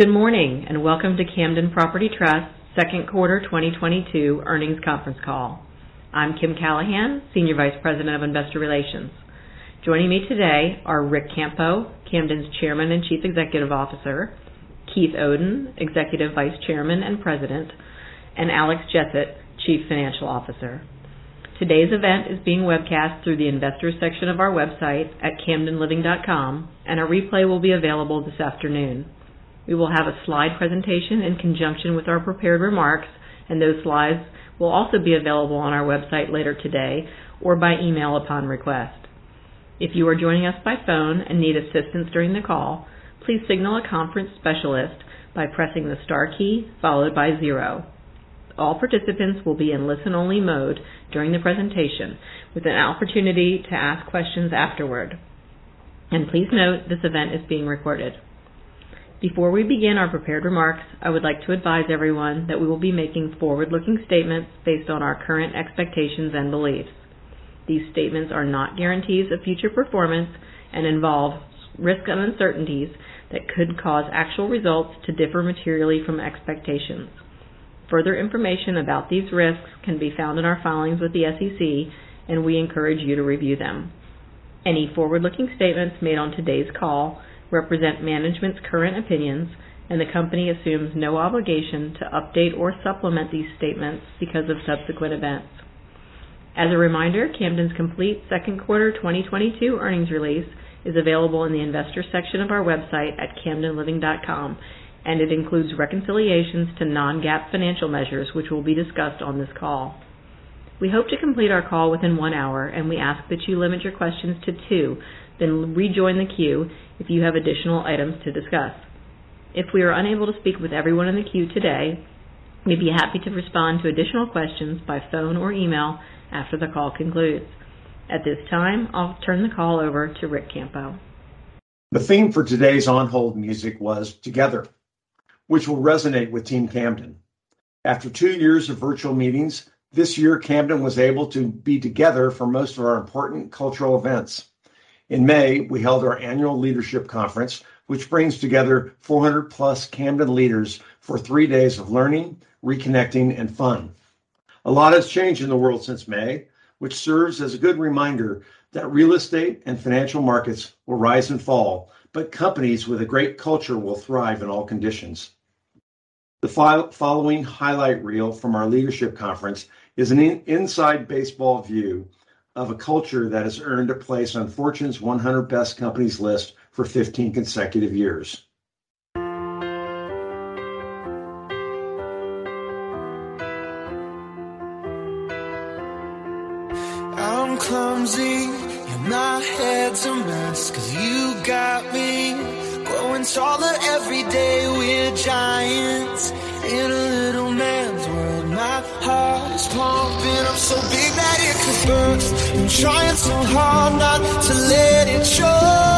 Good morning, and welcome to Camden Property Trust Q2 2022 earnings conference call. I'm Kim Callahan, Senior Vice President of Investor Relations. Joining me today are Ric Campo, Camden's Chairman and Chief Executive Officer, Keith Oden, Executive Vice Chairman and President, and Alexander Jessett, Chief Financial Officer. Today's event is being webcast through the investors section of our website at camdenliving.com, and a replay will be available this afternoon. We will have a slide presentation in conjunction with our prepared remarks, and those slides will also be available on our website later today or by email upon request. If you are joining us by phone and need assistance during the call, please signal a conference specialist by pressing the star key followed by zero. All participants will be in listen-only mode during the presentation with an opportunity to ask questions afterward. Please note this event is being recorded. Before we begin our prepared remarks, I would like to advise everyone that we will be making forward-looking statements based on our current expectations and beliefs. These statements are not guarantees of future performance and involve risk and uncertainties that could cause actual results to differ materially from expectations. Further information about these risks can be found in our filings with the SEC, and we encourage you to review them. Any forward-looking statements made on today's call represent management's current opinions, and the company assumes no obligation to update or supplement these statements because of subsequent events. As a reminder, Camden's complete Q2 2022 earnings release is available in the investor section of our website at camdenliving.com, and it includes reconciliations to non-GAAP financial measures, which will be discussed on this call. We hope to complete our call within one hour, and we ask that you limit your questions to two, then rejoin the queue if you have additional items to discuss. If we are unable to speak with everyone in the queue today, we'd be happy to respond to additional questions by phone or email after the call concludes. At this time, I'll turn the call over to Ric Campo. The theme for today's on-hold music was together, which will resonate with Team Camden. After two years of virtual meetings, this year Camden was able to be together for most of our important cultural events. In May, we held our annual leadership conference, which brings together 400+ Camden leaders for three days of learning, reconnecting, and fun. A lot has changed in the world since May, which serves as a good reminder that real estate and financial markets will rise and fall, but companies with a great culture will thrive in all conditions. The following highlight reel from our leadership conference is an inside baseball view of a culture that has earned a place on Fortune's 100 best companies list for 15 consecutive years. I'm clumsy and my head's a mess. 'Cause you got me growing taller every day. We're giants in a little man's world. My heart is pumping. I'm so big that it could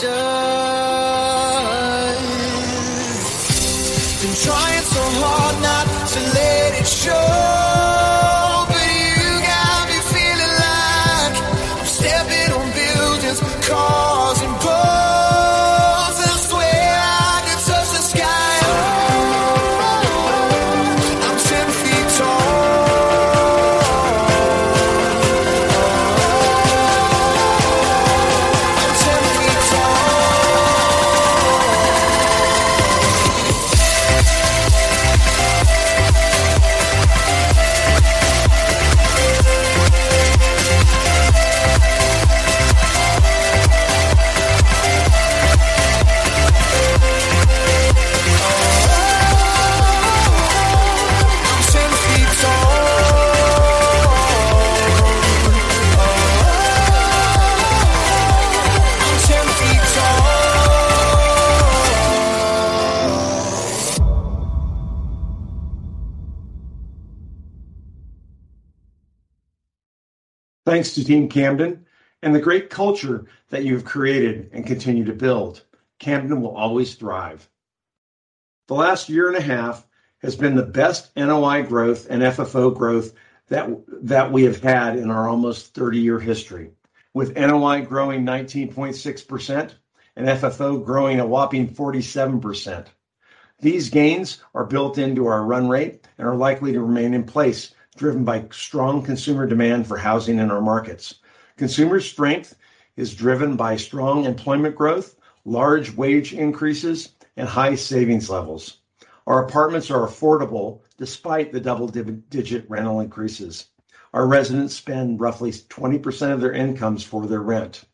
burst. Been trying so hard not to let it show. driven by strong consumer demand for housing in our markets. Consumer strength is driven by strong employment growth, large wage increases, and high savings levels. Our apartments are affordable despite the double-digit rental increases. Our residents spend roughly 20% of their incomes for their rent.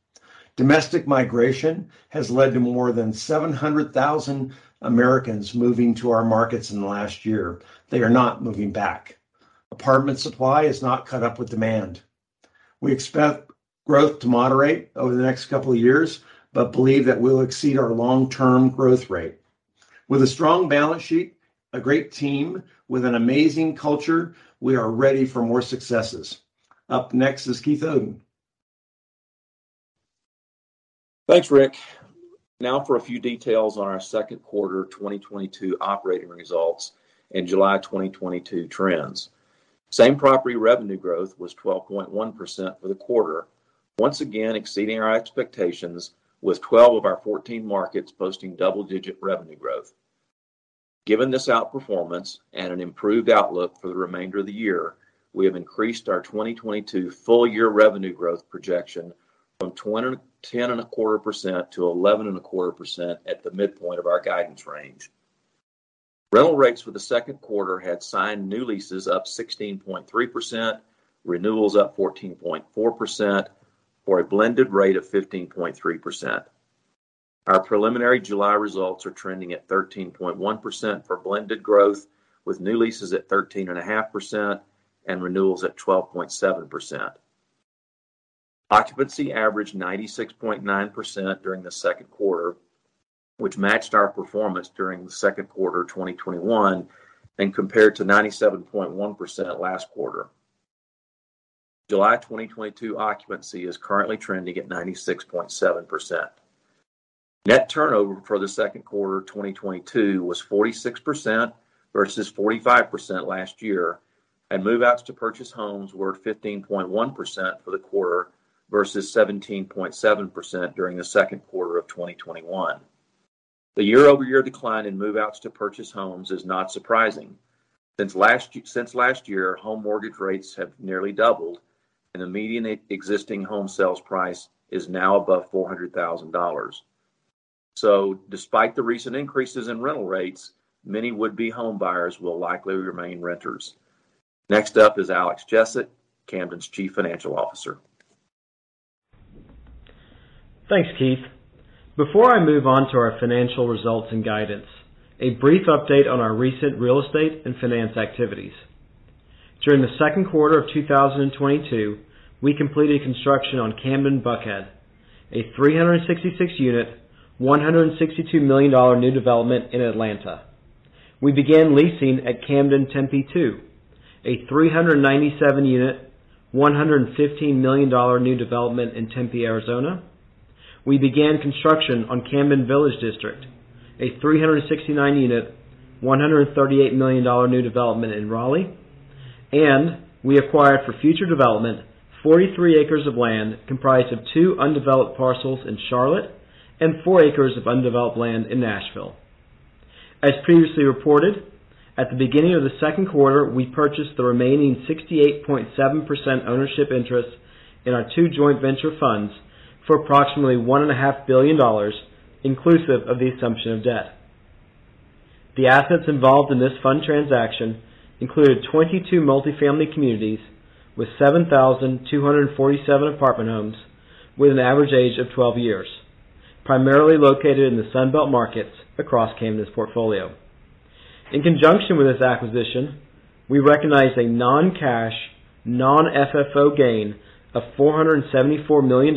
Domestic migration has led to more than 700,000 Americans moving to our markets in the last year. They are not moving back. Apartment supply has not caught up with demand. We expect growth to moderate over the next couple of years, but believe that we'll exceed our long-term growth rate. With a strong balance sheet, a great team, with an amazing culture, we are ready for more successes. Up next is Keith Oden. Thanks, Rick. Now for a few details on our Q2 2022 operating results and July 2022 trends. Same-property revenue growth was 12.1% for the quarter. Once again, exceeding our expectations with 12 of our 14 markets posting double-digit revenue growth. Given this outperformance and an improved outlook for the remainder of the year, we have increased our 2022 full year revenue growth projection from ten and a quarter percent to 11.25% at the midpoint of our guidance range. Rental rates for the Q2 had signed new leases up 16.3%, renewals up 14.4%, for a blended rate of 15.3%. Our preliminary July results are trending at 13.1% for blended growth, with new leases at 13.5% and renewals at 12.7%. Occupancy averaged 96.9% during the Q2, which matched our performance during the Q2 2021 and compared to 97.1% last quarter. July 2022 occupancy is currently trending at 96.7%. Net turnover for the Q2 2022 was 46% versus 45% last year, and move-outs to purchase homes were 15.1% for the quarter versus 17.7% during the Q2 of 2021. The year-over-year decline in move-outs to purchase homes is not surprising. Since last year, home mortgage rates have nearly doubled, and the median existing home sales price is now above $400,000. Despite the recent increases in rental rates, many would-be home buyers will likely remain renters. Next up is Alexander Jessett, Camden's Chief Financial Officer. Thanks, Keith. Before I move on to our financial results and guidance, a brief update on our recent real estate and finance activities. During the Q2 of 2022, we completed construction on Camden Buckhead, a 366-unit, $162 million new development in Atlanta. We began leasing at Camden Tempe II, a 397-unit, $115 million new development in Tempe, Arizona. We began construction on Camden Village District, a 369-unit, $138 million new development in Raleigh, and we acquired for future development 43 acres of land comprised of two undeveloped parcels in Charlotte and four acres of undeveloped land in Nashville. As previously reported, at the beginning of the Q2, we purchased the remaining 68.7% ownership interest in our two joint venture funds for approximately $1.5 billion, inclusive of the assumption of debt. The assets involved in this fund transaction included 22 multifamily communities with 7,247 apartment homes, with an average age of 12 years, primarily located in the Sun Belt markets across Camden's portfolio. In conjunction with this acquisition, we recognized a non-cash, non-FFO gain of $474 million,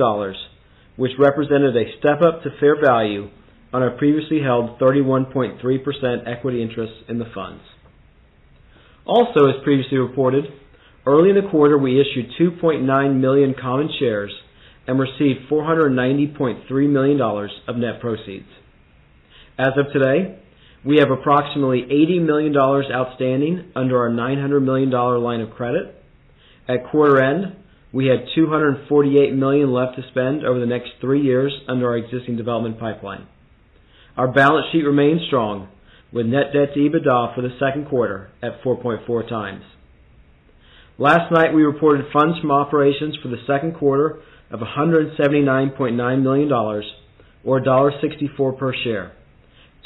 which represented a step-up to fair value on our previously held 31.3% equity interest in the funds. Also, as previously reported, early in the quarter, we issued 2.9 million common shares and received $490.3 million of net proceeds. As of today, we have approximately $80 million outstanding under our $900 million line of credit. At quarter end, we had $248 million left to spend over the next three years under our existing development pipeline. Our balance sheet remains strong, with net debt to EBITDA for the Q2 at 4.4x. Last night, we reported funds from operations for the Q2 of $179.9 million, or $1.64 per share,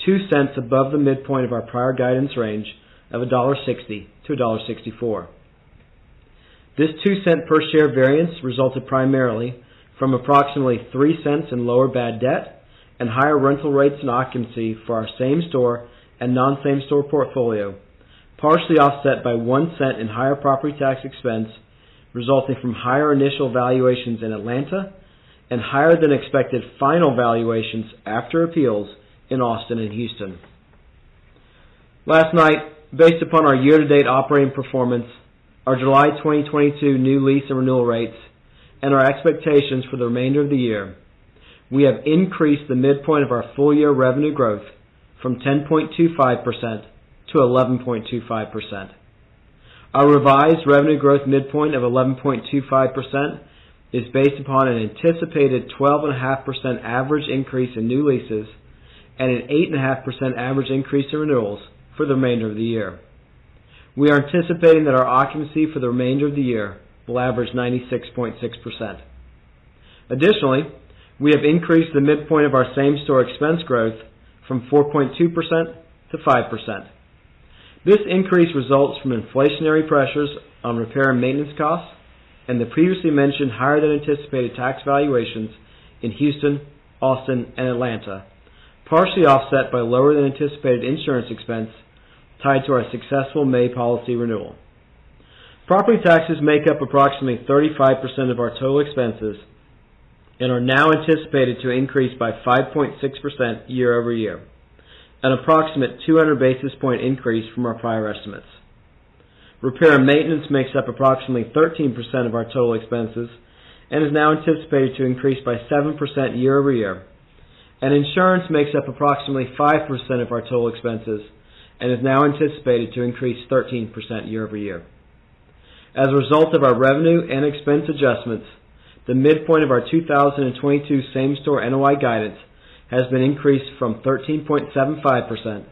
$0.02 above the midpoint of our prior guidance range of $1.60-1.64. This $0.02 per share variance resulted primarily from approximately $0.03 in lower bad debt and higher rental rates and occupancy for our same-store and non-same store portfolio, partially offset by $0.01 in higher property tax expense, resulting from higher initial valuations in Atlanta and higher than expected final valuations after appeals in Austin and Houston. Last night, based upon our year-to-date operating performance, our July 2022 new lease and renewal rates, and our expectations for the remainder of the year, we have increased the midpoint of our full year revenue growth from 10.25% to 11.25%. Our revised revenue growth midpoint of 11.25% is based upon an anticipated 12.5% average increase in new leases and an 8.5% average increase in renewals for the remainder of the year. We are anticipating that our occupancy for the remainder of the year will average 96.6%. Additionally, we have increased the midpoint of our same-store expense growth from 4.2% to 5%. This increase results from inflationary pressures on repair and maintenance costs and the previously mentioned higher than anticipated tax valuations in Houston, Austin, and Atlanta, partially offset by lower than anticipated insurance expense tied to our successful May policy renewal. Property taxes make up approximately 35% of our total expenses and are now anticipated to increase by 5.6% year-over-year, an approximate 200 basis point increase from our prior estimates. Repair and maintenance makes up approximately 13% of our total expenses and is now anticipated to increase by 7% year-over-year. Insurance makes up approximately 5% of our total expenses and is now anticipated to increase 13% year-over-year. As a result of our revenue and expense adjustments, the midpoint of our 2022 same-store NOI guidance has been increased from 13.75%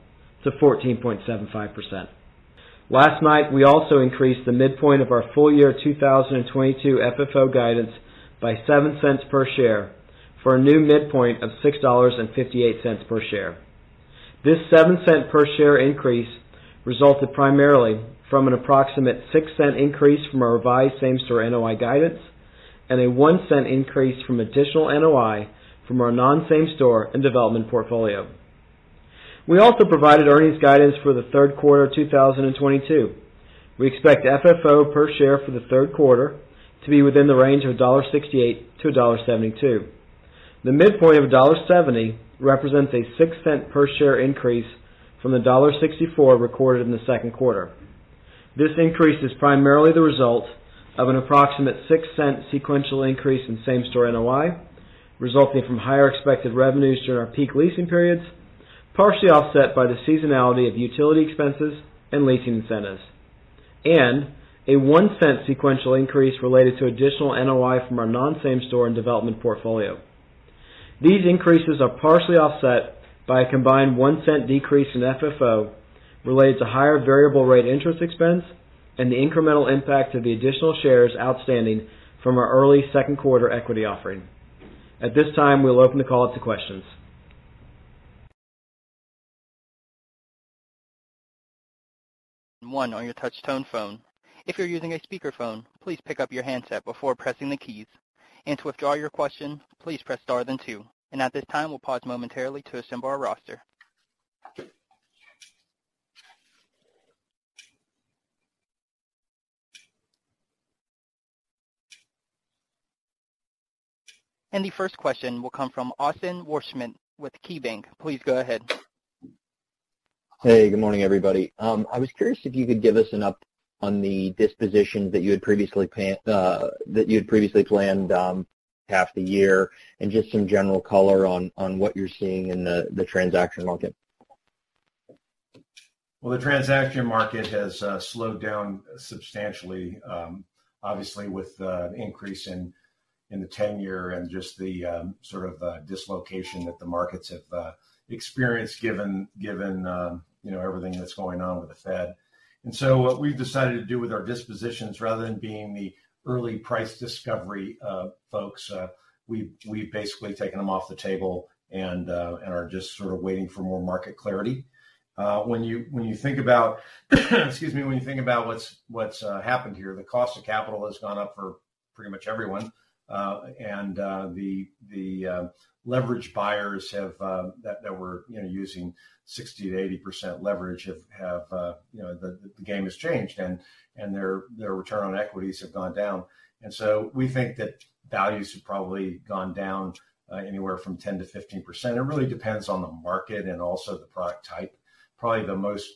to 14.75%. Last night, we also increased the midpoint of our full-year 2022 FFO guidance by $0.07 per share for a new midpoint of $6.58 per share. This $0.07 per share increase resulted primarily from an approximate $0.06 increase from our revised same-store NOI guidance and a $0.01 increase from additional NOI from our non-same store and development portfolio. We also provided earnings guidance for the Q3 of 2022. We expect FFO per share for the Q3 to be within the range of $1.68-$1.72. The midpoint of $1.70 represents a $0.6 Per share increase from the $1.64 recorded in the Q2. This increase is primarily the result of an approximate $0.6 sequential increase in same-store NOI, resulting from higher expected revenues during our peak leasing periods, partially offset by the seasonality of utility expenses and leasing incentives, and a $0.1 sequential increase related to additional NOI from our non-same store and development portfolio. These increases are partially offset by a combined $0.1 decrease in FFO related to higher variable rate interest expense and the incremental impact of the additional shares outstanding from our early Q2 equity offering. At this time, we'll open the call to questions. one on your touch tone phone. If you're using a speakerphone, please pick up your handset before pressing the keys. To withdraw your question, please press star then two. At this time, we'll pause momentarily to assemble our roster. The first question will come from Austin Wurschmidt with KeyBanc Capital Markets. Please go ahead. Hey, good morning, everybody. I was curious if you could give us an up on the dispositions that you had previously planned, half the year and just some general color on what you're seeing in the transaction market. Well, the transaction market has slowed down substantially, obviously with the increase in the ten-year and just the sort of the dislocation that the markets have experienced given you know everything that's going on with the Fed. What we've decided to do with our dispositions rather than being the early price discovery of folks, we've basically taken them off the table and are just sort of waiting for more market clarity. When you think about what's happened here, the cost of capital has gone up for pretty much everyone. The leverage buyers that were, you know, using 60%-80% leverage have, you know, the game has changed and their return on equities have gone down. We think that values have probably gone down anywhere from 10%-15%. It really depends on the market and also the product type. Probably the most,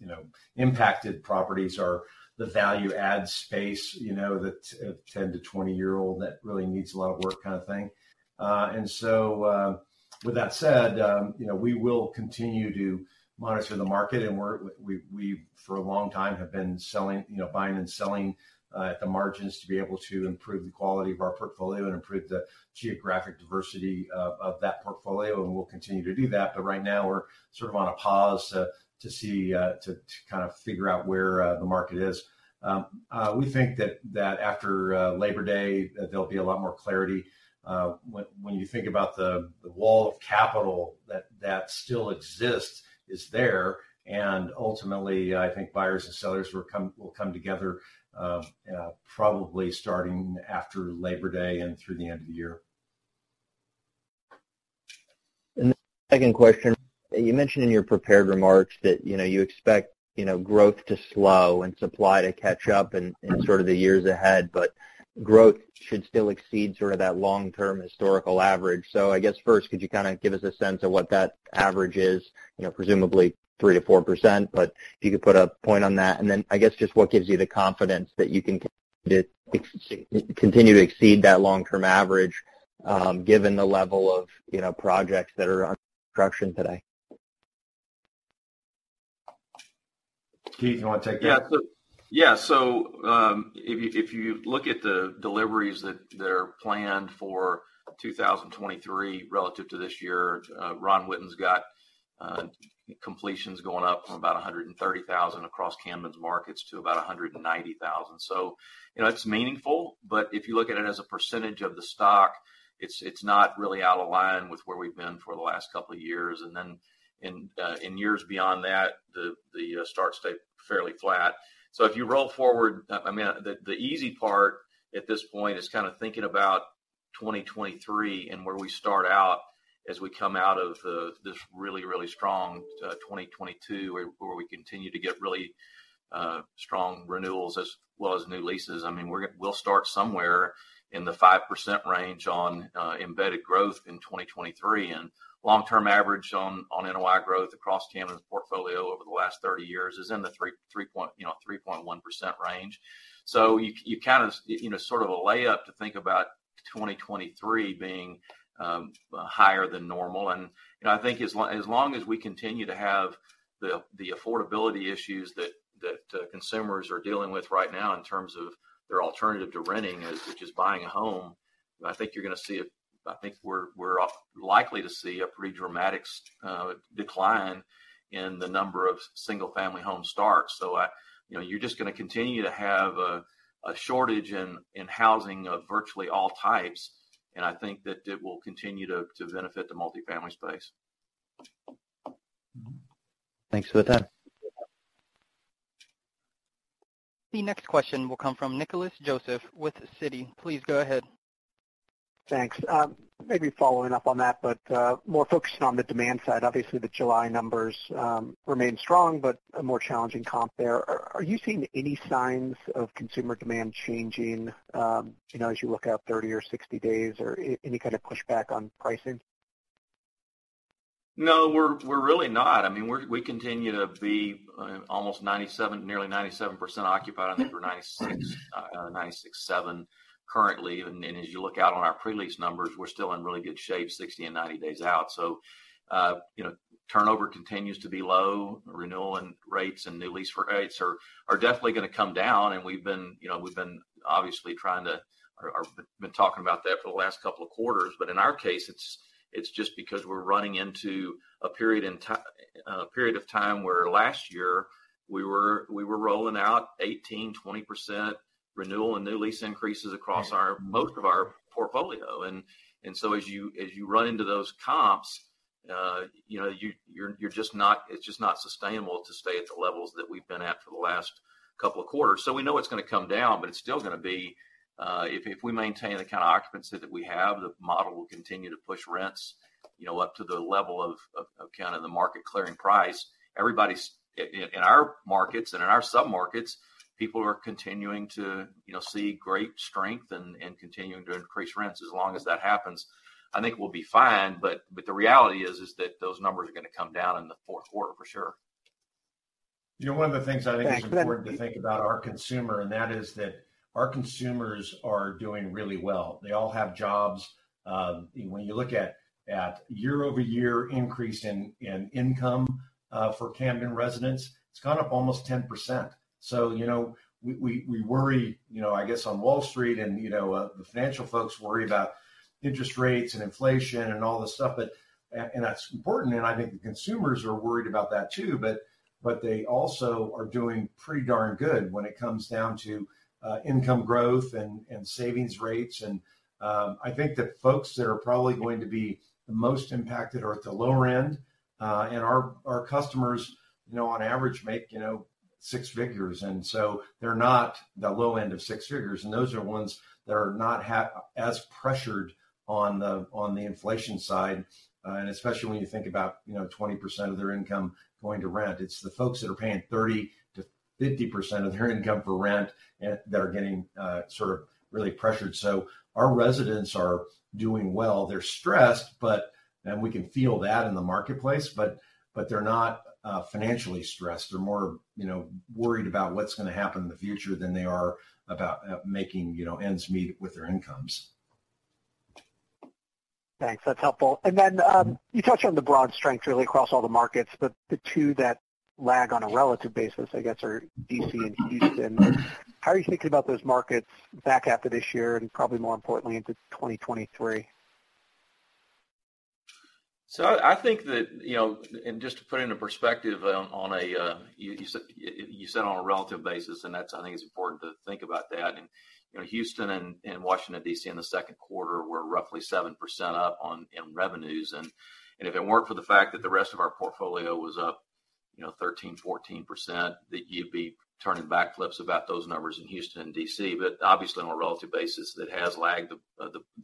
you know, impacted properties are the value-add space, you know, that are 10 to 20-year-old that really needs a lot of work kind of thing. With that said, you know, we will continue to monitor the market and we for a long time have been selling, you know, buying and selling at the margins to be able to improve the quality of our portfolio and improve the geographic diversity of that portfolio, and we'll continue to do that. But right now we're Sort of on a pause, to see, to kind of figure out where the market is. We think that after Labor Day, there'll be a lot more clarity. When you think about the wall of capital that still exists, it's there, and ultimately, I think buyers and sellers will come together, probably starting after Labor Day and through the end of the year. Second question. You mentioned in your prepared remarks that, you know, you expect, you know, growth to slow and supply to catch up in sort of the years ahead, but growth should still exceed sort of that long-term historical average. I guess first, could you kind of give us a sense of what that average is? You know, presumably 3%-4%, but if you could put a point on that. I guess, just what gives you the confidence that you can continue to exceed that long-term average, given the level of, you know, projects that are under construction today? Keith, you wanna take that? If you look at the deliveries that they're planned for 2023 relative to this year, Ron Witten's got completions going up from about 130,000 across Camden's markets to about 190,000. You know, it's meaningful, but if you look at it as a percentage of the stock, it's not really out of line with where we've been for the last couple of years. In years beyond that, the starts stay fairly flat. If you roll forward. I mean, the easy part at this point is kind of thinking about 2023 and where we start out as we come out of this really strong 2022 where we continue to get really strong renewals as well as new leases. I mean, we'll start somewhere in the 5% range on embedded growth in 2023. Long-term average on NOI growth across Camden's portfolio over the last 30 years is in the 3.1% range. You kind of, you know, sort of a layup to think about 2023 being higher than normal. You know, I think as long as we continue to have the affordability issues that consumers are dealing with right now in terms of their alternative to renting, which is buying a home, I think you're gonna see a. I think we're likely to see a pretty dramatic decline in the number of single-family home starts. You know, you're just gonna continue to have a shortage in housing of virtually all types, and I think that it will continue to benefit the multifamily space. Mm-hmm. Thanks for that. The next question will come from Nicholas Joseph with Citi. Please go ahead. Thanks. Maybe following up on that, but more focusing on the demand side. Obviously, the July numbers remained strong, but a more challenging comp there. Are you seeing any signs of consumer demand changing, you know, as you look out 30 or 60 days, or any kind of pushback on pricing? No, we're really not. I mean, we continue to be almost 97%, nearly 97% occupied. I think we're 96% or 96.7% currently. As you look out on our pre-lease numbers, we're still in really good shape 60 and 90 days out. You know, turnover continues to be low. Renewal rates and new lease rates are definitely gonna come down, and we've been, you know, we've been obviously talking about that for the last couple of quarters. In our case, it's just because we're running into a period of time where last year we were rolling out 18%-20% renewal and new lease increases across most of our portfolio. As you run into those comps, you know, you're just not, it's just not sustainable to stay at the levels that we've been at for the last couple of quarters. We know it's gonna come down, but it's still gonna be, if we maintain the kind of occupancy that we have, the model will continue to push rents, you know, up to the level of kind of the market clearing price. Everybody's in our markets and in our sub-markets, people are continuing to, you know, see great strength and continuing to increase rents. As long as that happens, I think we'll be fine, but the reality is that those numbers are gonna come down in the Q4 for sure. You know, one of the things I think is important. Thanks. Glenn To think about our consumer, that is that our consumers are doing really well. They all have jobs. When you look at year-over-year increase in income for Camden residents, it's gone up almost 10%. You know, we worry, you know, I guess on Wall Street and, you know, the financial folks worry about interest rates and inflation and all this stuff, but that's important, and I think the consumers are worried about that too, but they also are doing pretty darn good when it comes down to income growth and savings rates. I think that folks that are probably going to be the most impacted are at the lower end. Our customers, you know, on average make, you know, six figures, and so they're not the low end of six figures, and those are ones that are not as pressured on the inflation side. Especially when you think about, you know, 20% of their income going to rent. It's the folks that are paying 30%-50% of their income for rent that are getting sort of really pressured. Our residents are doing well. They're stressed, but we can feel that in the marketplace, but they're not financially stressed. They're more, you know, worried about what's gonna happen in the future than they are about making, you know, ends meet with their incomes. Thanks. That's helpful. You touched on the broad strength really across all the markets, but the two that lag on a relative basis, I guess, are D.C. and Houston. How are you thinking about those markets back half of this year and probably more importantly into 2023? I think that, you know, just to put into perspective, you said on a relative basis, and that's, I think it's important to think about that. You know, Houston and Washington, D.C. in the Q2 were roughly 7% up on revenues. If it weren't for the fact that the rest of our portfolio was up, you know, 13%-14%, that you'd be turning backflips about those numbers in Houston and D.C. Obviously on a relative basis, that has lagged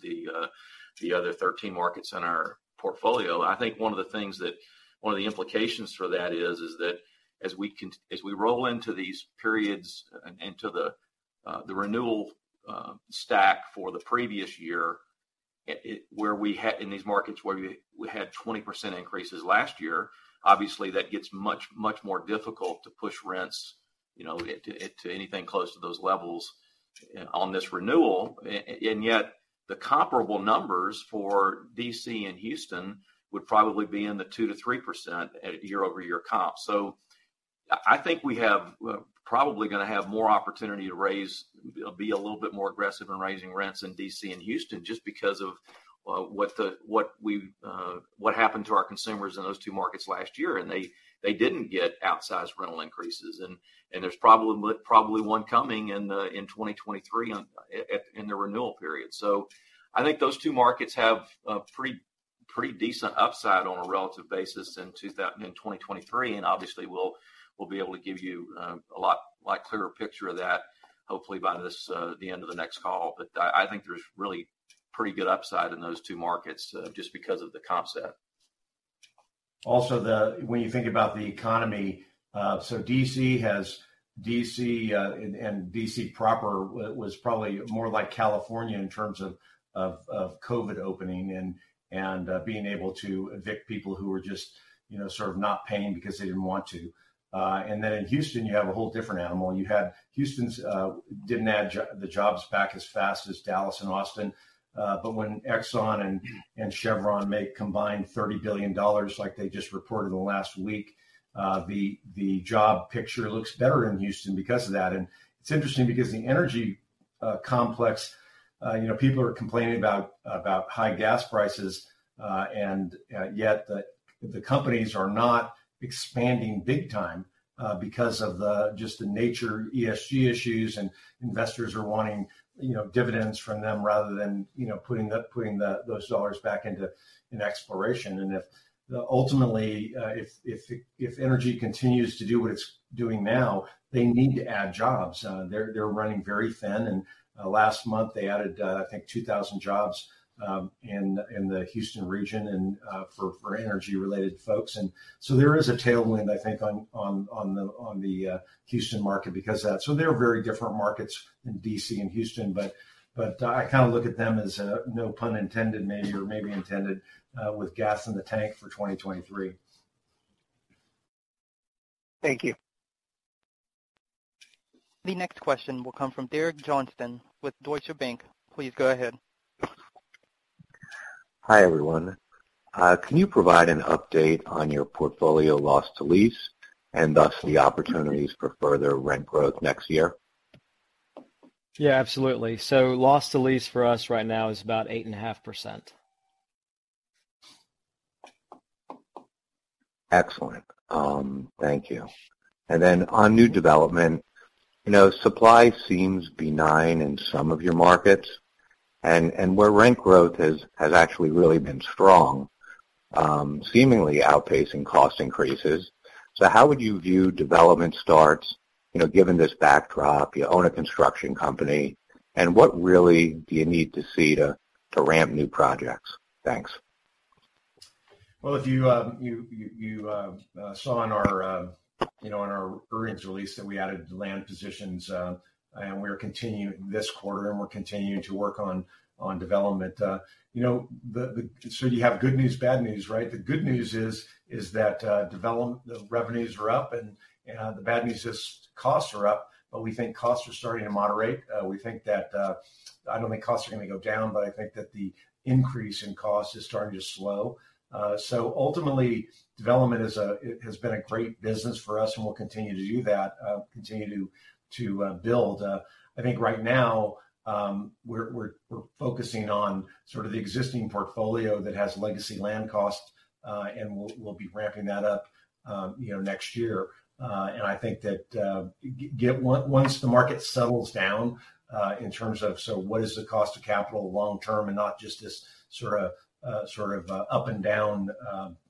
the other 13 markets in our portfolio. I think one of the things that One of the implications for that is that as we roll into these periods and to the renewal stack for the previous year, where we had, in these markets where we had 20% increases last year, obviously that gets much more difficult to push rents, you know, to anything close to those levels on this renewal. Yet the comparable numbers for D.C. and Houston would probably be in the 2%-3% at year-over-year comp. I think we have probably gonna have more opportunity to raise, be a little bit more aggressive in raising rents in D.C. and Houston just because of what happened to our consumers in those two markets last year, and they didn't get outsized rental increases. There's probably one coming in 2023 in the renewal period. I think those two markets have a pretty decent upside on a relative basis in 2023. Obviously we'll be able to give you a lot clearer picture of that hopefully by the end of the next call. I think there's really pretty good upside in those two markets just because of the comp set. When you think about the economy, D.C. and D.C. proper was probably more like California in terms of COVID opening and being able to evict people who were just, you know, sort of not paying because they didn't want to. In Houston you have a whole different animal. Houston didn't add the jobs back as fast as Dallas and Austin. When Exxon and Chevron make combined $30 billion, like they just reported last week, the job picture looks better in Houston because of that. It's interesting because the energy complex, you know, people are complaining about high gas prices. Yet the companies are not expanding big time because of just the nature, ESG issues and investors are wanting, you know, dividends from them rather than, you know, putting the those dollars back into exploration. Ultimately, if energy continues to do what it's doing now, they need to add jobs. They're running very thin and last month they added, I think, 2,000 jobs in the Houston region and for energy related folks. There is a tailwind, I think, on the Houston market because that. They're very different markets in D.C. and Houston, but I kind of look at them as, no pun intended maybe, or maybe intended, with gas in the tank for 2023. Thank you. The next question will come from Derek Johnston with Deutsche Bank. Please go ahead. Hi, everyone. Can you provide an update on your portfolio loss to lease and thus the opportunities for further rent growth next year? Yeah, absolutely. Loss to lease for us right now is about 8.5%. Excellent. Thank you. On new development, you know, supply seems benign in some of your markets and where rent growth has actually really been strong, seemingly outpacing cost increases. How would you view development starts, you know, given this backdrop, you own a construction company, and what really do you need to see to ramp new projects? Thanks. Well, if you saw in our, you know, in our earnings release that we added land positions, and we are continuing this quarter and we're continuing to work on development. You have good news, bad news, right? The good news is that the revenues are up and the bad news is costs are up, but we think costs are starting to moderate. We think that I don't think costs are gonna go down, but I think that the increase in cost is starting to slow. Ultimately, development is. It has been a great business for us, and we'll continue to do that, continue to build. I think right now, we're focusing on sort of the existing portfolio that has legacy land costs, and we'll be ramping that up, you know, next year. I think that, once the market settles down, in terms of so what is the cost of capital long term and not just this sort of, sort of, up and down,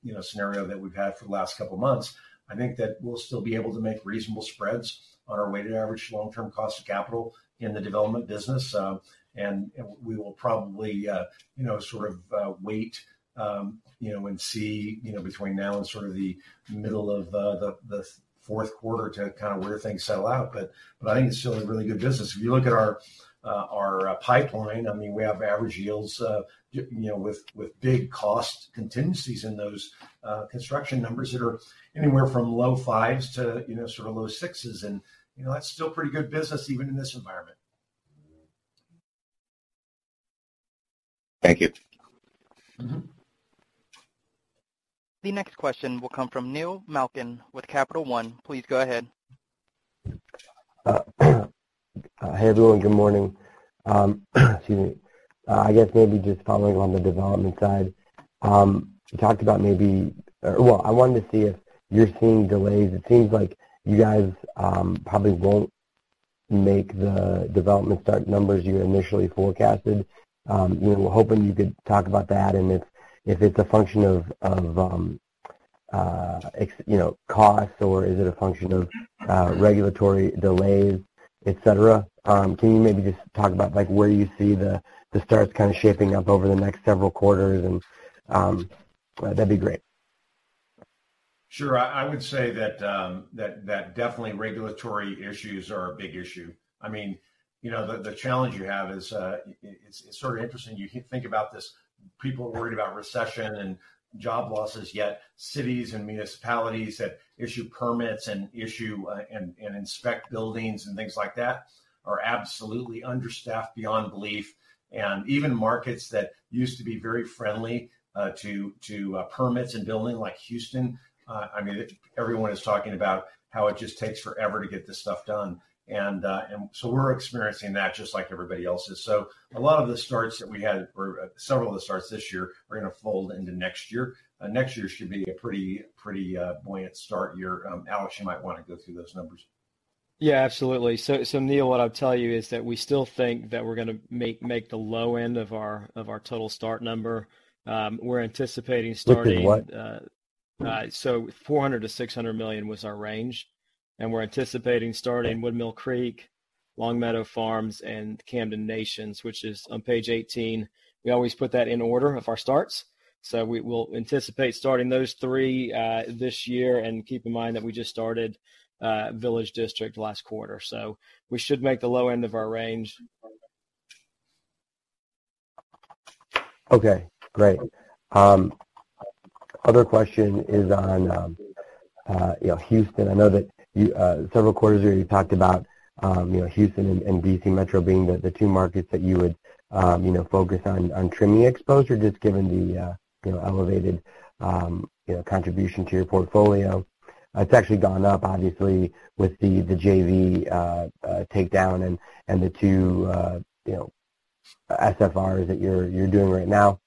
you know, scenario that we've had for the last couple of months, I think that we'll still be able to make reasonable spreads on our weighted average long-term cost of capital in the development business. We will probably, you know, sort of, wait, you know, and see, you know, between now and sort of the middle of the Q4 to kind of where things settle out. I think it's still a really good business. If you look at our pipeline, I mean, we have average yields, you know, with big cost contingencies in those construction numbers that are anywhere from low 5s to, you know, sort of low 6s and, you know, that's still pretty good business even in this environment. Thank you. Mm-hmm. The next question will come from Neil Malkin with Capital One. Please go ahead. Hey everyone. Good morning. Excuse me. I guess maybe just following on the development side, you talked about maybe. Well, I wanted to see if you're seeing delays. It seems like you guys probably won't make the development start numbers you initially forecasted. We were hoping you could talk about that and if it's a function of you know, cost or is it a function of regulatory delays, et cetera. Can you maybe just talk about, like, where you see the starts kind of shaping up over the next several quarters. That'd be great. Sure. I would say that definitely regulatory issues are a big issue. I mean, you know, the challenge you have is, it's sort of interesting. You think about this, people are worried about recession and job losses, yet cities and municipalities that issue permits and inspect buildings and things like that are absolutely understaffed beyond belief. Even markets that used to be very friendly to permits and building, like Houston, I mean, everyone is talking about how it just takes forever to get this stuff done. We're experiencing that just like everybody else is. A lot of the starts that we had or several of the starts this year are gonna fold into next year. Next year should be a pretty buoyant start year. Alex, you might want to go through those numbers. Yeah, absolutely. Neal, what I'll tell you is that we still think that we're gonna make the low end of our total start number. We're anticipating starting. Starting what? $400 million-$600 million was our range. We're anticipating starting Camden Woodmill Creek, Camden Long Meadow Farms and Camden Nations, which is on page 18. We always put that in order of our starts. We'll anticipate starting those three this year. Keep in mind that we just started Camden Village District last quarter, so we should make the low end of our range. Okay, great. Other question is on, you know, Houston. I know several quarters where you talked about, you know, Houston and D.C. Metro being the two markets that you would, you know, focus on trimming exposure, just given the, you know, elevated contribution to your portfolio. It's actually gone up obviously with the JV takedown and the two SFRs that you're doing right now.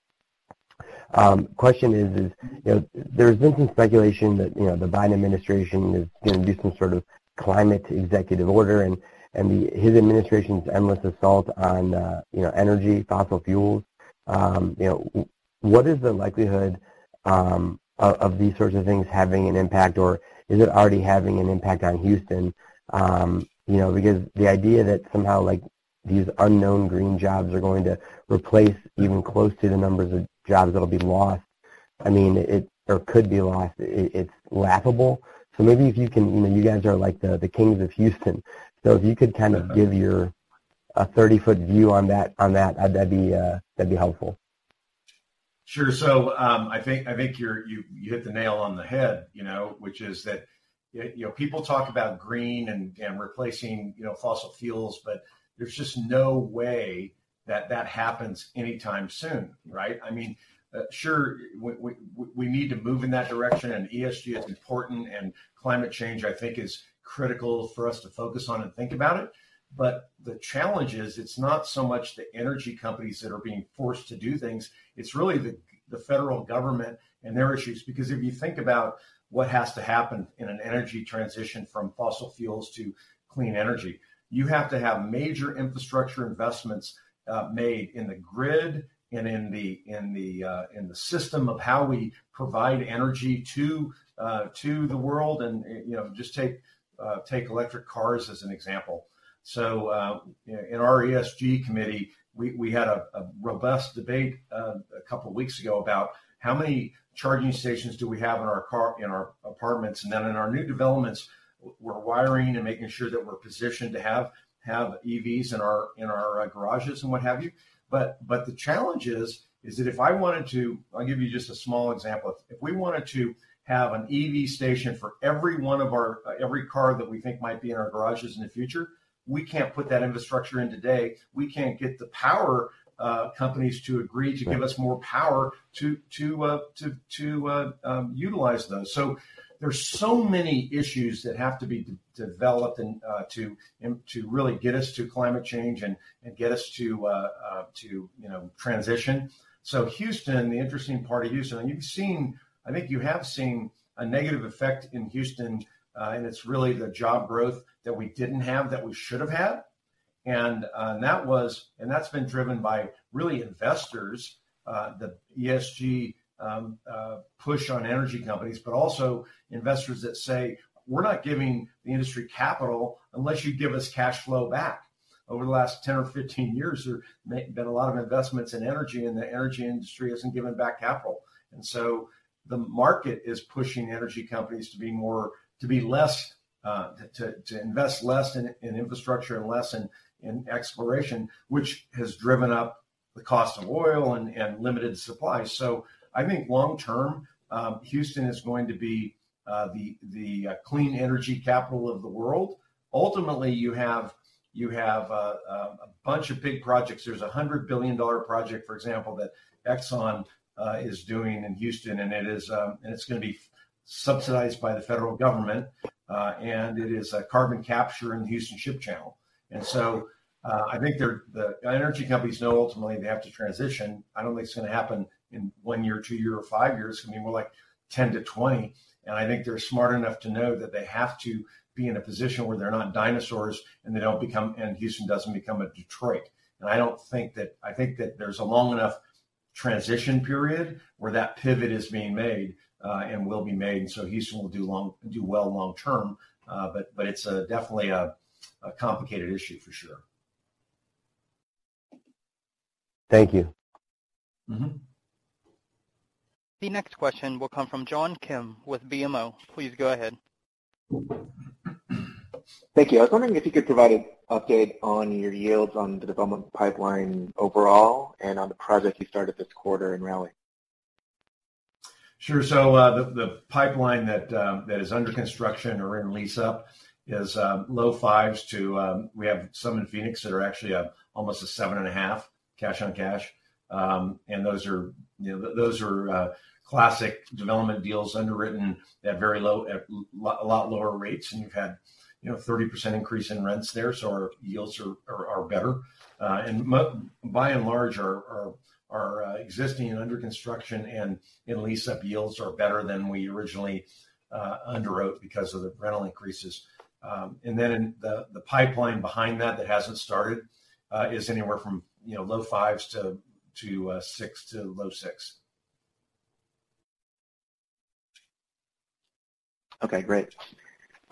Question is, you know, there's been some speculation that, you know, the Biden administration is gonna do some sort of climate executive order and then his administration's endless assault on energy, fossil fuels. What is the likelihood of these sorts of things having an impact, or is it already having an impact on Houston? You know, because the idea that somehow like these unknown green jobs are going to replace even close to the numbers of jobs that'll be lost. I mean, or could be lost, it's laughable. Maybe if you can, you know, you guys are like the kings of Houston. If you could kind of give your 30,000-foot view on that'd be helpful. Sure. I think you hit the nail on the head, you know, which is that, you know, people talk about green and replacing, you know, fossil fuels, but there's just no way that happens anytime soon, right? I mean, sure, we need to move in that direction, and ESG is important, and climate change, I think is critical for us to focus on and think about it, but the challenge is it's not so much the energy companies that are being forced to do things, it's really the federal government and their issues. Because if you think about what has to happen in an energy transition from fossil fuels to clean energy, you have to have major infrastructure investments made in the grid and in the system of how we provide energy to the world. You know, just take electric cars as an example. In our ESG committee, we had a robust debate a couple of weeks ago about how many charging stations do we have in our apartments. In our new developments, we're wiring and making sure that we're positioned to have EVs in our garages and what have you. The challenge is that if I wanted to. I'll give you just a small example. If we wanted to have an EV station for every car that we think might be in our garages in the future, we can't put that infrastructure in today. We can't get the power companies to agree to give us more power to utilize those. There's so many issues that have to be developed and to really get us to climate change and get us to, you know, transition. Houston, the interesting part of Houston, and you've seen a negative effect in Houston, and it's really the job growth that we didn't have, that we should have had. That was... That's been driven by really investors, the ESG push on energy companies, but also investors that say, "We're not giving the industry capital unless you give us cash flow back." Over the last 10 or 15 years, there have been a lot of investments in energy, and the energy industry hasn't given back capital. The market is pushing energy companies to be more, to be less, to invest less in infrastructure and less in exploration, which has driven up the cost of oil and limited supply. I think long term, Houston is going to be the clean energy capital of the world. Ultimately, you have a bunch of big projects. There's a $100 billion project, for example, that Exxon is doing in Houston, and it's gonna be subsidized by the federal government. It is a carbon capture in the Houston Ship Channel. I think the energy companies know ultimately they have to transition. I don't think it's gonna happen in one year, two year, or five years. It's gonna be more like 10-20. I think they're smart enough to know that they have to be in a position where they're not dinosaurs and they don't become and Houston doesn't become a Detroit. I think that there's a long enough transition period where that pivot is being made, and will be made, so Houston will do well long term. It's definitely a complicated issue for sure. Thank you. Mm-hmm. The next question will come from John Kim with BMO. Please go ahead. Thank you. I was wondering if you could provide an update on your yields on the development pipeline overall and on the projects you started this quarter in Raleigh? Sure. The pipeline that is under construction or in lease-up is low 5s to. We have some in Phoenix that are actually almost a 7.5 cash-on-cash. And those are, you know, classic development deals underwritten at very low, a lot lower rates, and you've had, you know, 30% increase in rents there, so our yields are better. And by and large our existing and under construction and in lease-up yields are better than we originally underwrote because of the rental increases. And then in the pipeline behind that that hasn't started is anywhere from, you know, low 5s to six to low 6. Okay. Great.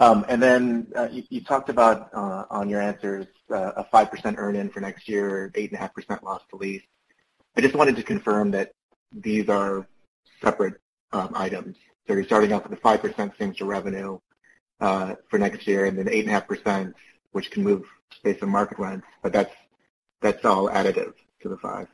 You talked about in your answers a 5% earn-in for next year, 8.5% loss to lease. I just wanted to confirm that these are separate items. You're starting off with the 5% same-store revenue for next year, and then 8.5% which can move based on market rents, but that's all additive to the 5.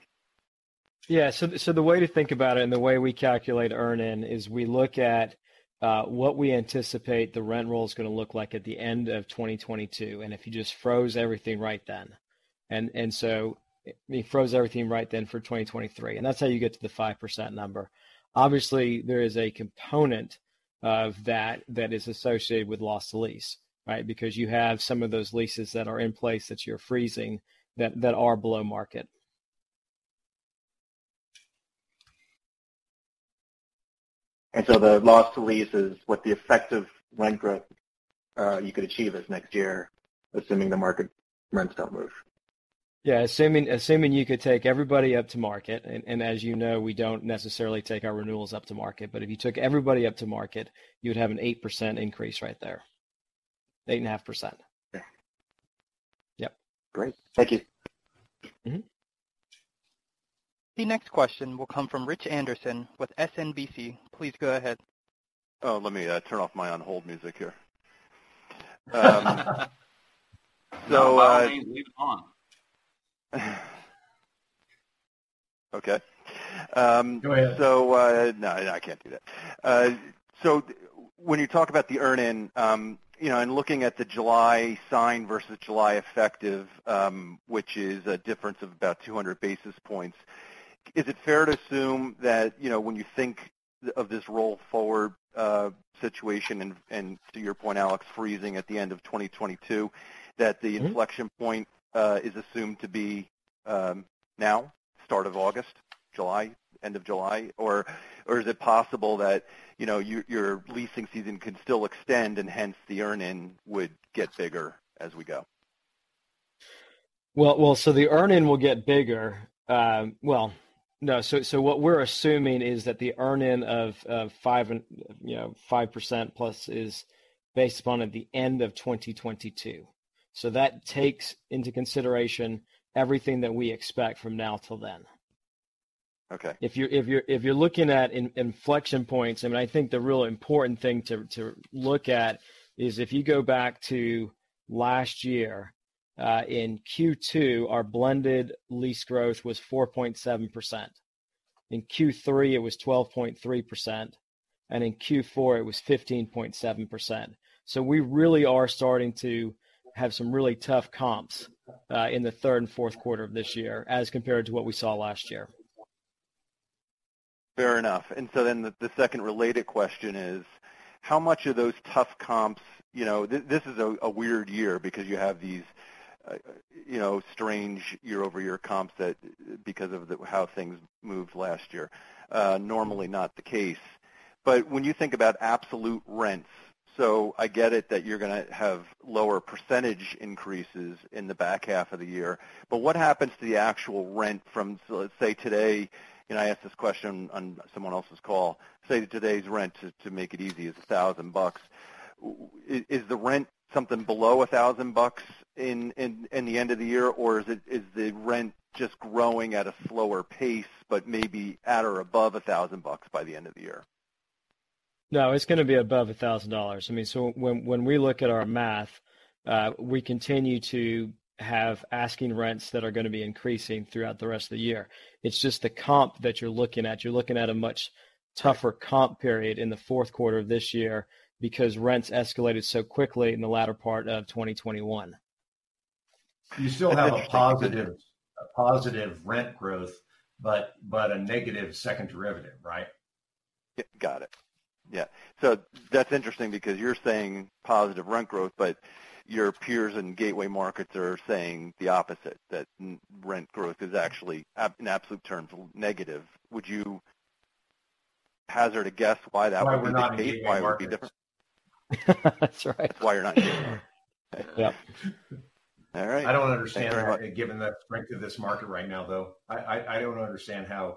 The way to think about it and the way we calculate earn-in is we look at what we anticipate the rent roll is gonna look like at the end of 2022, and if you just froze everything right then. If you froze everything right then for 2023, that's how you get to the 5% number. Obviously, there is a component of that that is associated with loss to lease, right? Because you have some of those leases that are in place that you're freezing that are below market. The loss to lease is what the effect of rent growth you could achieve is next year, assuming the market rents don't move. Yeah. Assuming you could take everybody up to market, and as you know, we don't necessarily take our renewals up to market, but if you took everybody up to market, you would have an 8% increase right there. 8.5%. Okay. Yep. Great. Thank you. Mm-hmm. The next question will come from Rich Anderson with SMBC. Please go ahead. Oh, let me turn off my on-hold music here. By all means, leave it on. Okay. Go ahead. No, I can't do that. When you talk about the earn-in, you know, and looking at the July signed versus July effective, which is a difference of about 200 basis points, is it fair to assume that, you know, when you think of this roll forward situation and to your point, Alex, freezing at the end of 2022, that the Mm-hmm inflection point is assumed to be now, start of August, July, end of July? Or is it possible that, you know, your leasing season can still extend and hence the earn-in would get bigger as we go? Well, the earn-in will get bigger. Well, no. What we're assuming is that the earn-in of 5 and, you know, 5% plus is based upon at the end of 2022. That takes into consideration everything that we expect from now till then. Okay. If you're looking at inflection points, I mean, I think the real important thing to look at is if you go back to last year, in Q2, our blended lease growth was 4.7%. In Q3, it was 12.3%, and in Q4, it was 15.7%. We really are starting to have some really tough comps in the third and Q4 of this year as compared to what we saw last year. Fair enough. The second related question is how much of those tough comps, you know. This is a weird year because you have these strange year-over-year comps that because of how things moved last year, normally not the case. When you think about absolute rents, I get it that you're gonna have lower percentage increases in the back half of the year, but what happens to the actual rent from, so let's say today, and I asked this question on someone else's call, say today's rent, to make it easy, is $1,000. Is the rent something below $1,000 in the end of the year? Is the rent just growing at a slower pace, but maybe at or above $1,000 by the end of the year? No, it's gonna be above $1,000. I mean, so when we look at our math, we continue to have asking rents that are gonna be increasing throughout the rest of the year. It's just the comp that you're looking at. You're looking at a much tougher comp period in the Q4 of this year because rents escalated so quickly in the latter part of 2021. You still have a positive rent growth, but a negative second derivative, right? Yep, got it. Yeah. That's interesting because you're saying positive rent growth, but your peers in gateway markets are saying the opposite, that net rent growth is actually in absolute terms, negative. Would you hazard a guess why that would be the case? Why we're not gateway markets. Why it would be different? That's right. Why you're not in gateway markets. Yeah. All right. I don't understand that, given the strength of this market right now, though. I don't understand how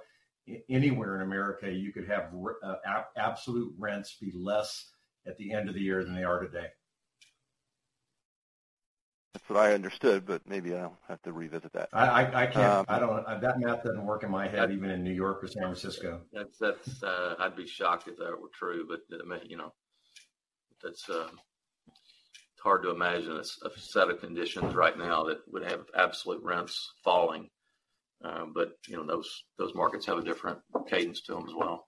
anywhere in America you could have absolute rents be less at the end of the year than they are today. That's what I understood, but maybe I'll have to revisit that. I can't. Um- That math doesn't work in my head, even in New York or San Francisco. I'd be shocked if that were true, but, I mean, you know. It's hard to imagine a set of conditions right now that would have absolute rents falling. You know, those markets have a different cadence to them as well.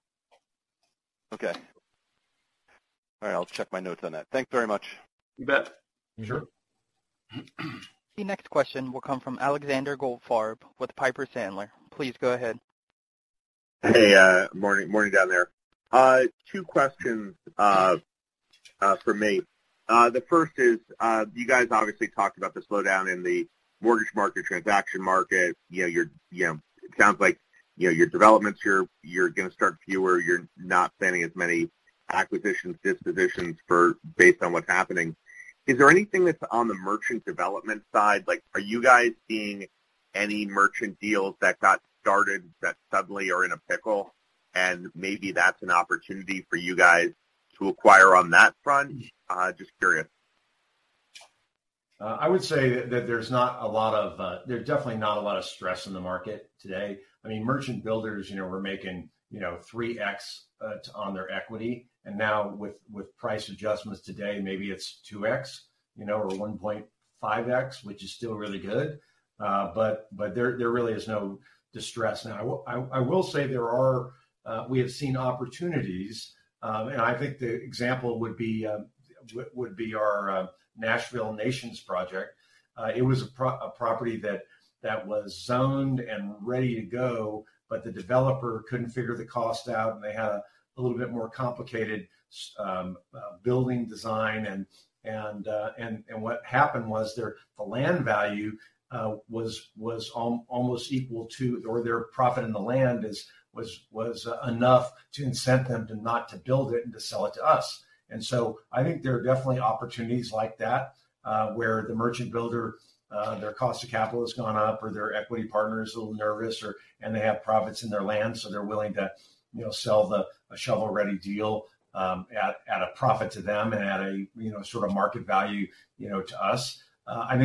Okay. All right, I'll check my notes on that. Thank you very much. You bet. Sure. The next question will come from Alexander Goldfarb with Piper Sandler. Please go ahead. Hey, morning down there. Two questions from me. The first is, you guys obviously talked about the slowdown in the mortgage market, transaction market. You know, it sounds like, you know, your developments, you're gonna start fewer. You're not planning as many acquisitions, dispositions or based on what's happening. Is there anything that's on the merchant development side? Like, are you guys seeing any merchant deals that got started that suddenly are in a pickle, and maybe that's an opportunity for you guys to acquire on that front? Just curious. I would say that there's not a lot of stress in the market today. There's definitely not a lot of stress in the market today. I mean, merchant builders, you know, were making, you know, 3x on their equity, and now with price adjustments today, maybe it's 2x, you know, or 1.5x, which is still really good. There really is no distress. Now I will say we have seen opportunities, and I think the example would be our Camden Nations project. It was a property that was zoned and ready to go, but the developer couldn't figure the cost out, and they had a little bit more complicated building design, and what happened was their The land value was almost equal to, or their profit in the land was enough to incent them to not to build it and to sell it to us. I think there are definitely opportunities like that where the merchant builder their cost of capital has gone up or their equity partner is a little nervous and they have profits in their land, so they're willing to, you know, sell a shovel-ready deal at a profit to them and at a, you know, sort of market value, you know, to us. I do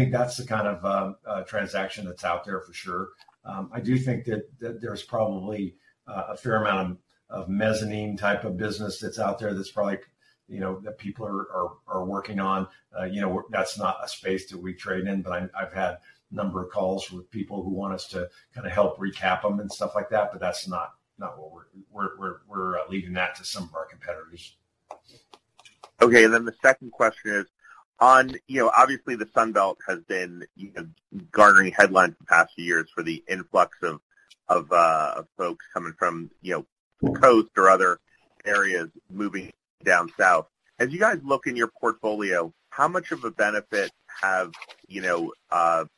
think that there's probably a fair amount of mezzanine type of business that's out there that's probably, you know, that people are working on. You know, that's not a space that we trade in, but I've had a number of calls with people who want us to kind of help recap them and stuff like that, but that's not what we're. We're leaving that to some of our competitors. Okay. The second question is on, you know, obviously the Sun Belt has been, you know, garnering headlines the past few years for the influx of folks coming from, you know. Mm-hmm The coast or other areas moving down south. As you guys look in your portfolio, how much of a benefit have, you know, I'll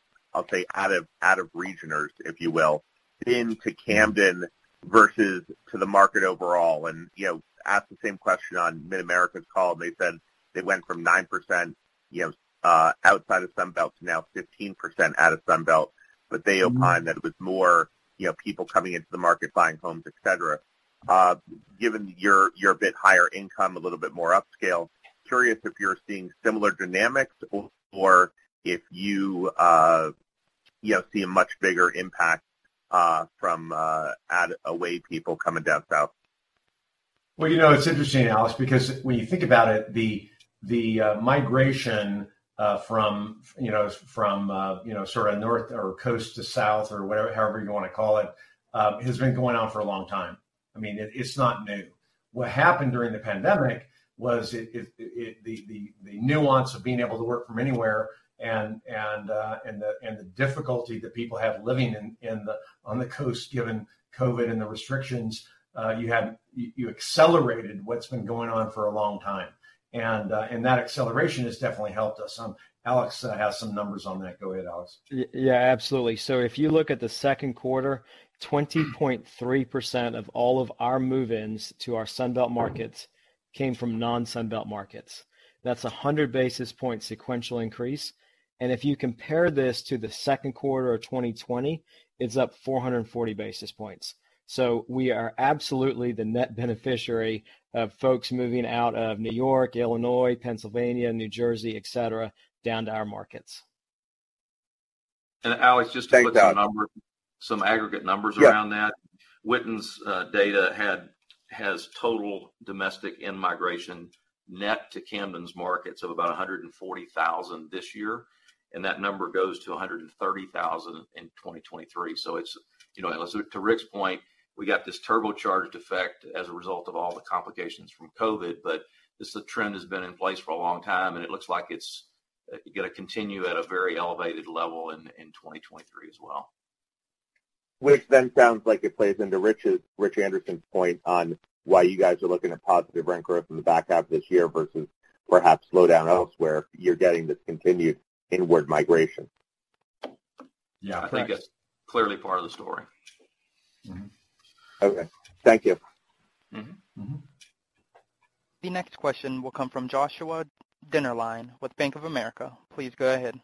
say out of regioners, if you will, been to Camden versus to the market overall and, you know, asked the same question on Mid-America's call, and they said they went from 9%, you know, outside of Sun Belt to now 15% out of Sun Belt. Mm-hmm. They opined that it was more, you know, people coming into the market, buying homes, et cetera. Given you're a bit higher income, a little bit more upscale, curious if you're seeing similar dynamics or if you know, see a much bigger impact from people coming down south. Well, you know, it's interesting, Alex, because when you think about it, the migration from, you know, from, you know, sort of north or coast to south or whatever, however you wanna call it, has been going on for a long time. I mean, it's not new. What happened during the pandemic was the nuance of being able to work from anywhere and the difficulty that people have living on the coast, given COVID and the restrictions, you accelerated what's been going on for a long time. That acceleration has definitely helped us. Alex has some numbers on that. Go ahead, Alex. Yeah, absolutely. If you look at the Q2, 20.3% of all of our move-ins to our Sun Belt markets came from non-Sun Belt markets. That's a 100 basis point sequential increase. If you compare this to the Q2 of 2020, it's up 440 basis points. We are absolutely the net beneficiary of folks moving out of New York, Illinois, Pennsylvania, New Jersey, et cetera, down to our markets. Alex, just to put some aggregate numbers around that. Yeah. Witten's data has total domestic in-migration net to Camden's markets of about 140,000 this year, and that number goes to 130,000 in 2023. It's, you know, to Rick's point, we got this turbocharged effect as a result of all the complications from COVID, but this trend has been in place for a long time, and it looks like it's gonna continue at a very elevated level in 2023 as well. Which then sounds like it plays into Richard Anderson's point on why you guys are looking at positive rent growth in the back half of this year versus perhaps slowdown elsewhere. You're getting this continued inward migration. Yeah. I think that's clearly part of the story. Okay. Thank you. Mm-hmm. Mm-hmm. The next question will come from Joshua Dennerlein with Bank of America. Please go ahead.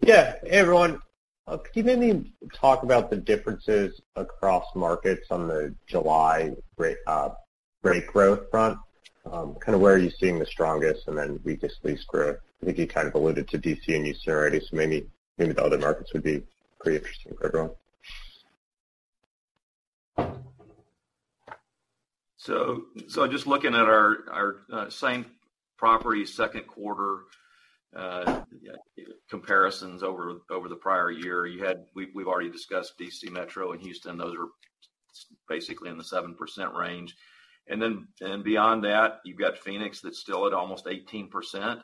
Yeah. Hey, everyone. Could you maybe talk about the differences across markets on the July rate growth front? Kind of where are you seeing the strongest and then weakest lease growth? I think you kind of alluded to D.C. and you saw already, so maybe the other markets would be pretty interesting to hear about. Just looking at our same property Q2 comparisons over the prior year. We've already discussed DC Metro and Houston. Those are basically in the 7% range. Beyond that, you've got Phoenix that's still at almost 18%.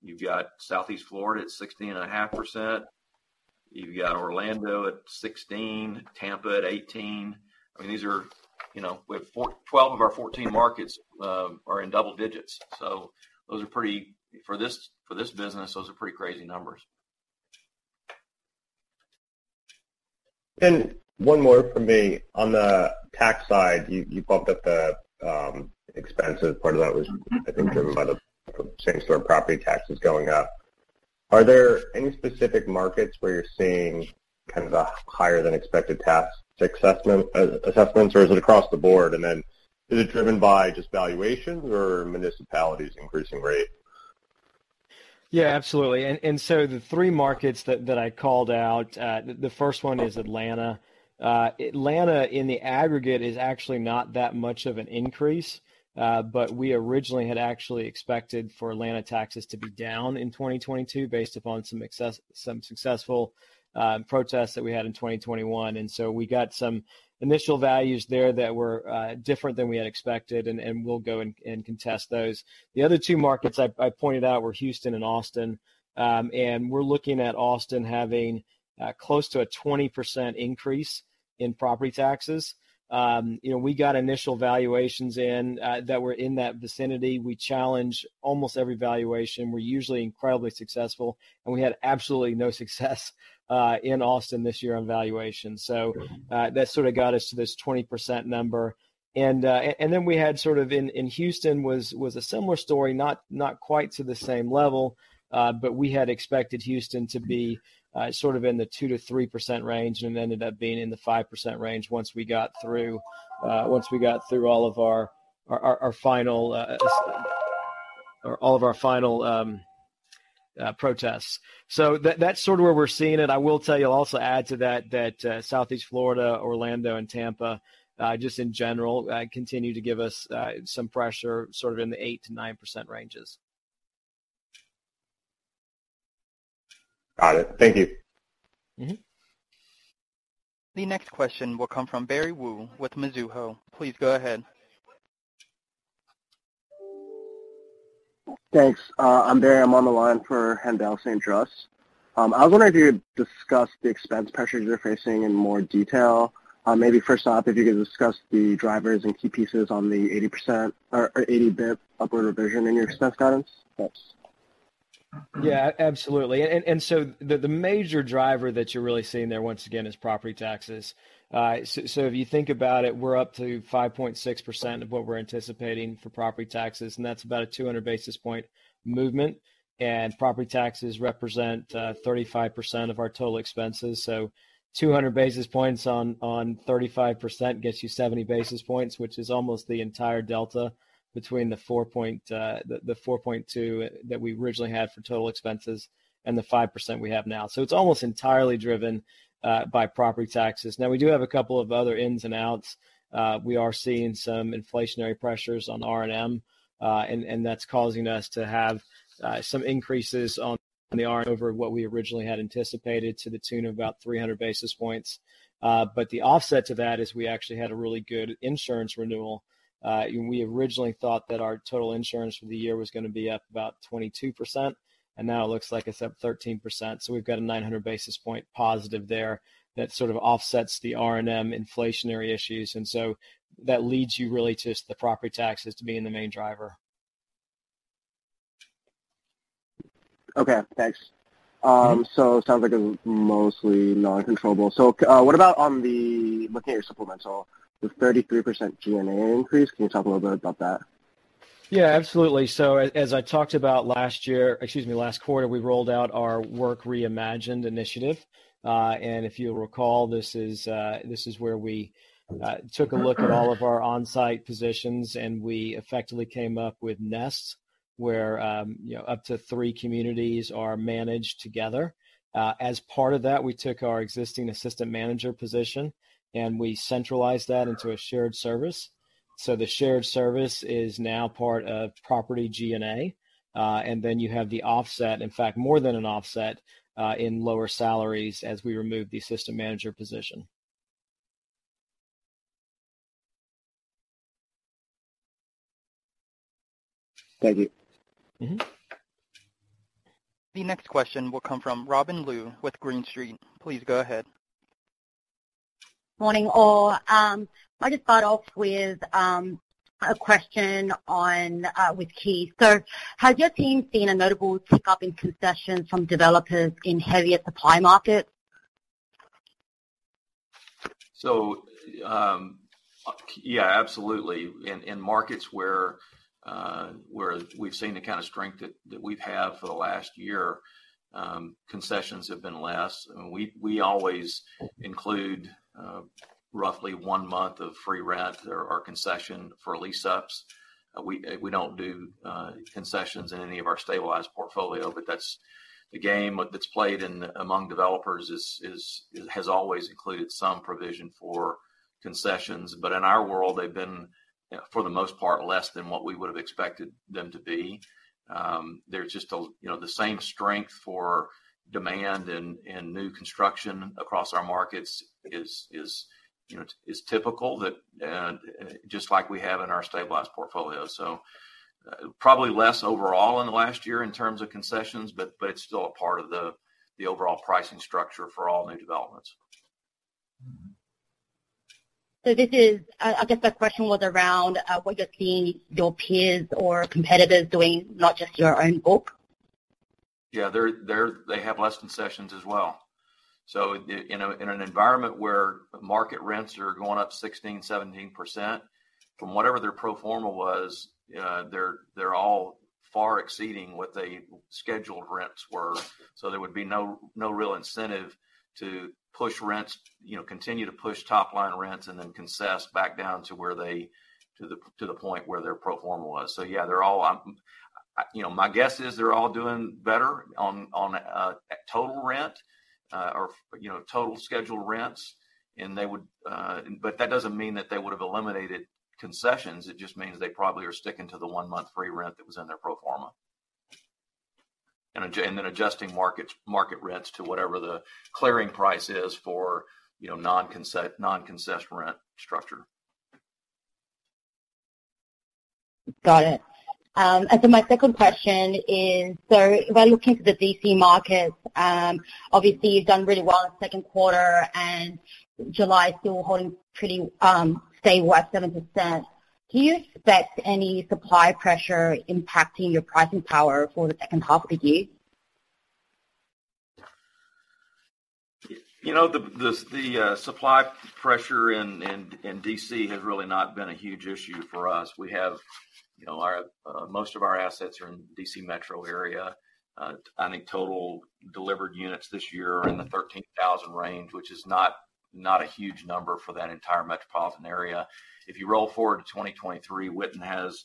You've got Southeast Florida at 16.5%. You've got Orlando at 16%, Tampa at 18%. I mean, these are, you know, we have twelve of our fourteen markets are in double digits, so those are pretty crazy numbers for this business. One more from me. On the tax side, you bumped up the expenses. Part of that was, I think, driven by the same store property taxes going up. Are there any specific markets where you're seeing kind of the higher than expected tax assessments or is it across the board? Is it driven by just valuations or municipalities increasing rates? Yeah, absolutely. The three markets that I called out, the first one is Atlanta. Atlanta in the aggregate is actually not that much of an increase, but we originally had actually expected for Atlanta taxes to be down in 2022 based upon some successful protests that we had in 2021. We got some initial values there that were different than we had expected, and we'll go and contest those. The other two markets I pointed out were Houston and Austin, and we're looking at Austin having close to a 20% increase in property taxes. You know, we got initial valuations in that were in that vicinity. We challenge almost every valuation. We're usually incredibly successful, and we had absolutely no success in Austin this year on valuation. That sort of got us to this 20% number. Then we had sort of in Houston a similar story, not quite to the same level, but we had expected Houston to be sort of in the 2%-3% range and ended up being in the 5% range once we got through all of our final protests. That's sort of where we're seeing it. I will tell you, I'll also add to that, Southeast Florida, Orlando and Tampa just in general continue to give us some pressure sort of in the 8%-9% ranges. Got it. Thank you. Mm-hmm. The next question will come from Barry Wu with Mizuho. Please go ahead. Thanks. I'm Barry. I'm on the line for Haendel St. Juste. I was wondering if you could discuss the expense pressures you're facing in more detail. Maybe first off, if you could discuss the drivers and key pieces on the 80% or 80 bps upward revision in your expense guidance. Thanks. Yeah, absolutely. The major driver that you're really seeing there once again is property taxes. If you think about it, we're up to 5.6% of what we're anticipating for property taxes, and that's about a 200 basis point movement. Property taxes represent 35% of our total expenses. 200 basis points on 35% gets you 70 basis points, which is almost the entire delta between the 4.2 that we originally had for total expenses and the 5% we have now. It's almost entirely driven by property taxes. Now, we do have a couple of other ins and outs. We are seeing some inflationary pressures on R&M, and that's causing us to have some increases on the R over what we originally had anticipated to the tune of about 300 basis points. The offset to that is we actually had a really good insurance renewal. We originally thought that our total insurance for the year was gonna be up about 22%, and now it looks like it's up 13%. We've got a 900 basis point positive there that sort of offsets the R&M inflationary issues. That leads you really to the property taxes being the main driver. Okay, thanks. It sounds like it was mostly non-controllable. What about looking at your supplemental, the 33% G&A increase, can you talk a little bit about that? Yeah, absolutely. As I talked about last year, excuse me, last quarter, we rolled out our Work Reimagined initiative. If you'll recall, this is where we took a look at all of our on-site positions, and we effectively came up with nests where you know up to three communities are managed together. As part of that, we took our existing assistant manager position, and we centralized that into a shared service. The shared service is now part of property G&A. You have the offset, in fact, more than an offset, in lower salaries as we remove the assistant manager position. Thank you. Mm-hmm. The next question will come from Robin Lu with Green Street. Please go ahead. Morning, all. I'll just start off with a question with Keith. Has your team seen a notable tick-up in concessions from developers in heavier supply markets? Yeah, absolutely. In markets where we've seen the kind of strength that we've had for the last year, concessions have been less. We always include roughly one month of free rent or concession for lease-ups. We don't do concessions in any of our stabilized portfolio, but that's the game that's played among developers has always included some provision for concessions. In our world, they've been, for the most part, less than what we would've expected them to be. You know, the same strength for demand and new construction across our markets is, you know, typical just like we have in our stabilized portfolio. Probably less overall in the last year in terms of concessions, but it's still a part of the overall pricing structure for all new developments. Mm-hmm. I guess the question was around what you're seeing your peers or competitors doing, not just your own book. Yeah. They're. They have less concessions as well. In an environment where market rents are going up 16%-17% from whatever their pro forma was, they're all far exceeding what the scheduled rents were. There would be no real incentive to push rents, you know, continue to push top-line rents and then concessions back down to the point where their pro forma was. Yeah, they're all. You know, my guess is they're all doing better on total rent, or, you know, total scheduled rents, and they would. But that doesn't mean that they would've eliminated concessions. It just means they probably are sticking to the one-month free rent that was in their pro forma. Adjusting market rents to whatever the clearing price is for, you know, non-concession rent structure. Got it. My second question is, so by looking at the D.C. markets, obviously, you've done really well in the Q2, and July is still holding pretty stable at 7%. Do you expect any supply pressure impacting your pricing power for the H2 of the year? You know, supply pressure in D.C. has really not been a huge issue for us. We have, you know, most of our assets are in D.C. metro area. I think total delivered units this year are in the 13,000 range, which is not a huge number for that entire metropolitan area. If you roll forward to 2023, Witten has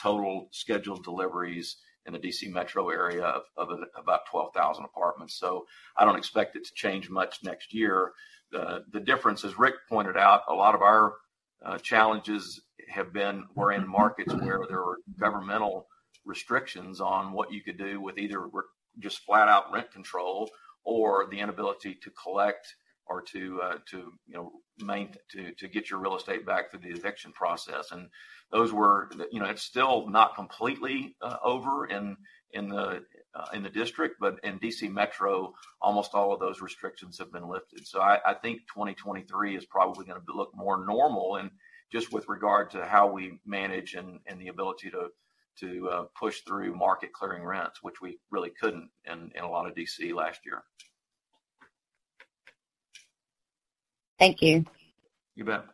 total scheduled deliveries in the D.C. metro area of about 12,000 apartments. So I don't expect it to change much next year. The difference, as Ric pointed out, a lot of our challenges have been we're in markets where there are governmental restrictions on what you could do with either re... Just flat-out rent control or the inability to collect or to you know to get your real estate back through the eviction process. Those were. You know, it's still not completely over in the district, but in D.C. Metro, almost all of those restrictions have been lifted. I think 2023 is probably gonna look more normal and just with regard to how we manage and the ability to push through market clearing rents, which we really couldn't in a lot of D.C. last year. Thank you. You bet.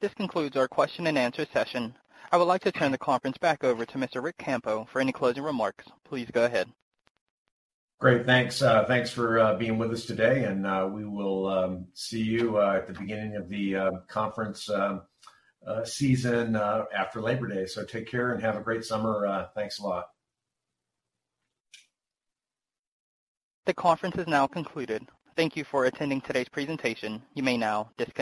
This concludes our question and answer session. I would like to turn the conference back over to Mr. Ric Campo for any closing remarks. Please go ahead. Great. Thanks for being with us today, and we will see you at the beginning of the conference season after Labor Day. Take care and have a great summer. Thanks a lot. The conference is now concluded. Thank you for attending today's presentation. You may now disconnect.